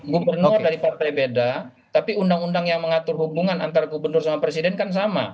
gubernur dari partai beda tapi undang undang yang mengatur hubungan antara gubernur sama presiden kan sama